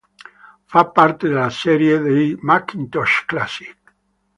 Fa parte della serie dei Macintosh Classic.